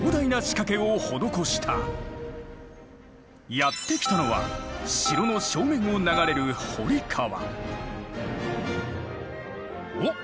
やって来たのは城の正面を流れるおっ